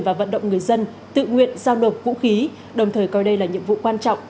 và vận động người dân tự nguyện giao nộp vũ khí đồng thời coi đây là nhiệm vụ quan trọng